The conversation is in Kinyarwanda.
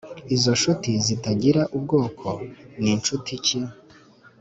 Izo nshuti zitagira ubwoko ni nshuti ki